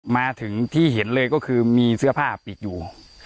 มาถึงที่เห็นเลยก็คือมีเสื้อผ้าปิดอยู่